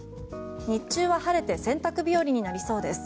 日中は晴れて洗濯日和になりそうです。